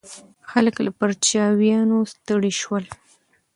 خلک له پرچاوینو ستړي شول.